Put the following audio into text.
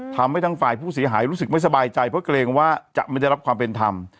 ทำให้ทั้งฝ่ายผู้เสียหายรู้สึกไม่สบายใจเพราะเกรงว่าจะไม่ได้รับความเป็นธรรม